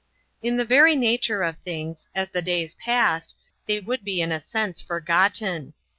In the very nature of things, as the days passed, they would be in a sense forgotten.